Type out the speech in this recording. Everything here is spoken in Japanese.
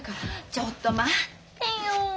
ちょっと待ってよ。